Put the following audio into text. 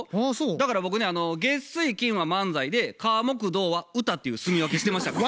だから僕ね月水金は漫才で火木土は歌っていうすみ分けしてましたから。